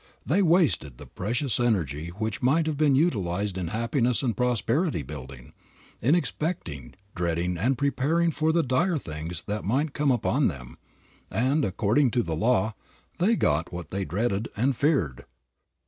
They wasted the precious energy which might have been utilized in happiness and prosperity building, in expecting, dreading and preparing for the dire things that might come upon them, and, according to the law, they got what they dreaded and feared.